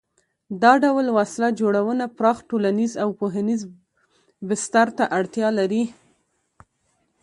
دا ډول وسله جوړونه پراخ ټولنیز او پوهنیز بستر ته اړتیا لري.